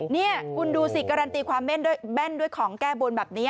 นี่คุณดูสิการันตีความแม่นด้วยแม่นด้วยของแก้บนแบบนี้